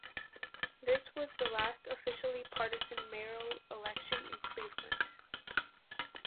This was the last officially partisan mayoral election in Cleveland.